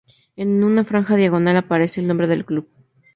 En una franja diagonal, aparece el nombre del club.